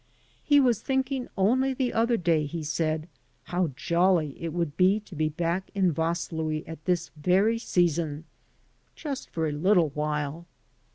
He was thinking only the other day, he said, how jolly it would be to be back in Vaslui at this very season, just for a Kttle while.